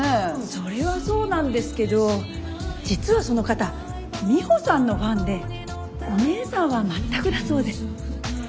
それはそうなんですけど実はその方ミホさんのファンでお姉さんは全くだそうで。